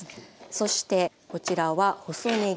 そしてこちらは細ねぎ。